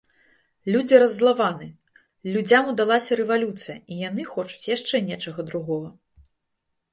Людзі раззлаваны, людзям удалася рэвалюцыя, і яны хочуць яшчэ нечага другога.